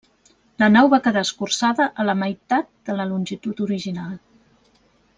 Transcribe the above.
La nau va quedar escurçada a la meitat de la longitud original.